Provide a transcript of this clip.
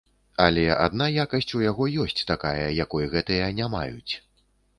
Але адна якасць у яго ёсць такая, якой гэтыя не маюць.